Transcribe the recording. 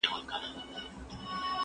که وخت وي، زدکړه کوم.